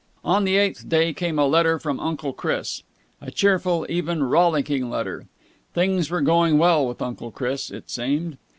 On the eighth day came a letter from Uncle Chris a cheerful, even rollicking letter. Things were going well with Uncle Chris, it seemed.